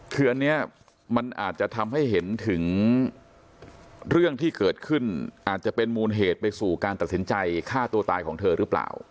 คืออันนี้มันอาจจะทำให้เห็นถึงเรื่องที่เกิดขึ้นอาจจะเป็นมูลเหตุไปสู่การตัดสินใจฆ่าตัวตายของเธอหรือเปล่า